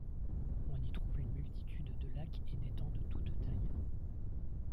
On y trouve une multitude de lacs et d’étangs de toutes tailles.